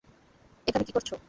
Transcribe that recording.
এখানে কি করছ।